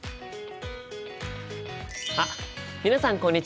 あっ皆さんこんにちは！